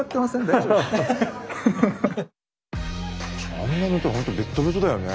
あんな塗ったら本当ベットベトだよね？